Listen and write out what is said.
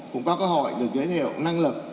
cũng có cơ hội được giới thiệu năng lực